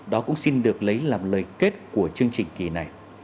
đó cũng xin được lấy làm lời kết của chương trình kỳ này